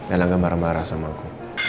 erlangga marah marah sama aku